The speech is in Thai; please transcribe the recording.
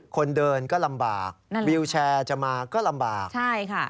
คนเดินก็ลำบากวิวแชร์จะมาก็ลำบากใช่ค่ะ